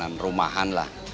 makanan rumahan lah